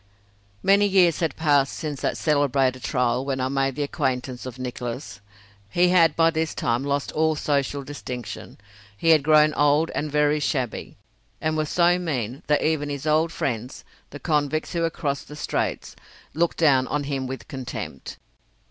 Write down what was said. Many years had passed since that celebrated trial when I made the acquaintance of Nicholas. He had by this time lost all social distinction. He had grown old and very shabby, and was so mean that even his old friends, the convicts who had crossed the straits, looked down on him with contempt.